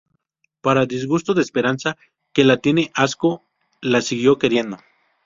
Para disgusto de Esperanza que la tiene asco, la siguió queriendo.